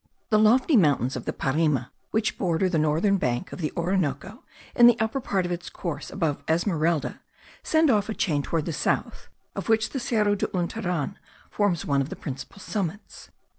The lofty mountains of the Parime, which border the northern bank of the Orinoco in the upper part of its course above Esmeralda, send off a chain towards the south, of which the Cerro de Unturan forms one of the principal summits.